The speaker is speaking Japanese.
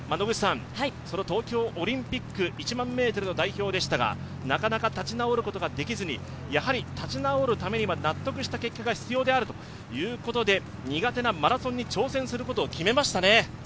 東京オリンピック１００００ｍの代表でしたが、なかなか立ち直ることができずに、立ち直るためには納得した結果が必要であるということで苦手なマラソンに挑戦することを決めましたね。